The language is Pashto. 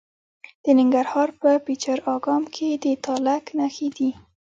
د ننګرهار په پچیر اګام کې د تالک نښې دي.